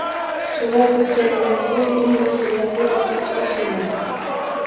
Surat bitganidan so‘ng eng mas’uliyatli bosqich boshlanadi.